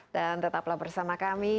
dan tetaplah bersama kami